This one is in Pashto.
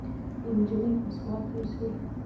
نجلۍ په سوات کې اوسیده.